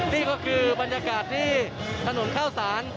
นี่ก็คือบรรยากาศที่ถนนเข้าสาร